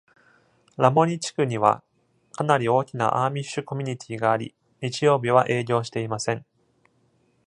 ラモニ地区にはかなり大きなアーミッシュコミュニティがあり、日曜日は営業していません。